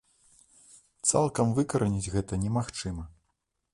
Цалкам выкараніць гэта немагчыма.